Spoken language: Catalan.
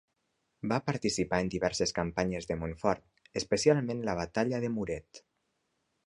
Va participar en diverses campanyes de Montfort, especialment a la Batalla de Muret.